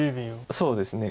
そうですね。